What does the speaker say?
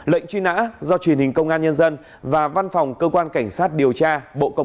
lệnh truy nã do truyền hình công an nhân dân và văn phòng cơ quan cảnh sát điều tra bộ công an phối hợp thực hiện